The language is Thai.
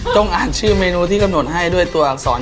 ต้องอ่านชื่อเมนูที่กำหนดให้ด้วยตัวอักษร